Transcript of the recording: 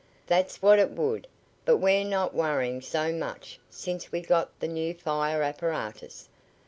"That's what it would; but we're not worryin so much since we got th' new fire apparatus.